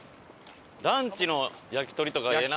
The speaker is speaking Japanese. ランチの焼き鳥とかええな。